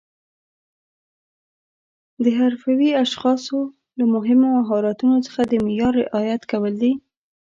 د حرفوي اشخاصو له مهمو مهارتونو څخه د معیار رعایت کول دي.